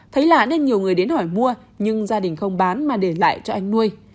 thấy lạ nên nhiều người đến hỏi mua nhưng gia đình không bán mà để lại cho anh nuôi